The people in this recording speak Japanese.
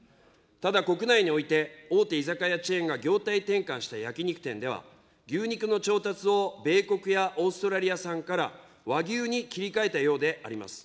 ただ国内において、大手居酒屋チェーンが業態転換した焼き肉店では、牛肉の調達を米国やオーストラリア産から、和牛に切り替えたようであります。